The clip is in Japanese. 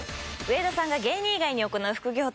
上田さんが芸人以外に行う副業とは？